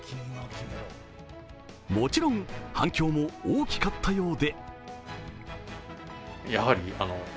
もちろん反響も大きかったようで。